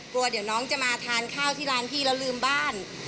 กลัวเดี๋ยวน้องจะมาทานข้าวที่ร้านพี่แล้วลืมบ้าน